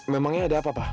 memangnya ada apa pak